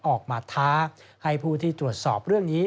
ออกมาท้าให้ผู้ที่ตรวจสอบเรื่องนี้